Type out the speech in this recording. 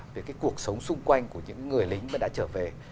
những cuộc sống xung quanh của những người lính đã trở về